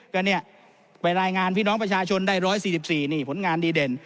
ก็เนี่ยไปรายงานพี่น้องประชาชนได้๑๔๔นี่ผลงานดีเด่น